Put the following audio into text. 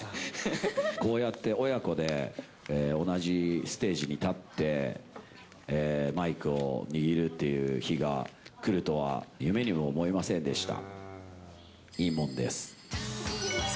こうやって親子で同じステージに立って、マイクを握るっていう日が来るとは、夢にも思いませんでした。